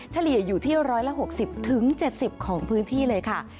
เฉลี่ยอยู่ที่๑๖๐๗๐ของพื้นที่เลยค่ะ